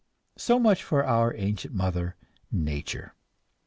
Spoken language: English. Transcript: So much for our ancient mother, nature.